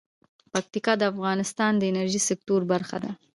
پکتیا د افغانستان د انرژۍ سکتور برخه ده.